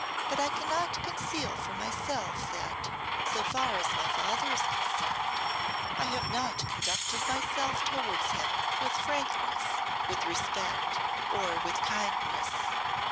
But I cannot conceal from myself that, so far as my father is concerned, I have not conducted myself towards him with frankness, with respect, or with kindness.